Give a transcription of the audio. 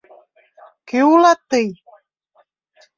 — Кӧ улат тый?